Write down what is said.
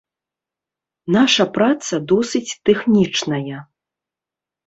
Наша праца досыць тэхнічная.